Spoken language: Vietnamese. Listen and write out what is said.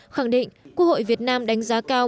khẳng định quốc hội việt nam đánh giá cao